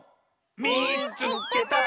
「みいつけた！」。